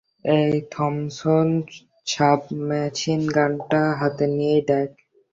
এই থম্পসন সাবমেশিনগানটা হাতে নিয়েই দেখ!